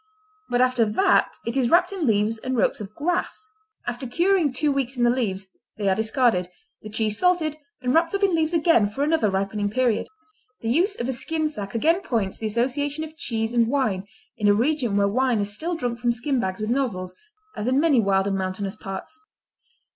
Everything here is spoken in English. But after that it is wrapped in leaves and ropes of grass. After curing two weeks in the leaves, they are discarded, the cheese salted and wrapped up in leaves again for another ripening period. The use of a skin sack again points the association of cheese and wine in a region where wine is still drunk from skin bags with nozzles, as in many wild and mountainous parts.